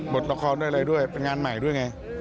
ละครด้วยอะไรด้วยเป็นงานใหม่ด้วยไง